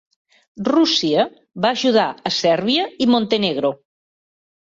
Rússia va ajudar a Serbia i Montenegro.